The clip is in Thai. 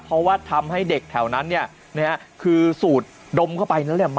เพราะว่าทำให้เด็กแถวนั้นคือสูตรดมเข้าไป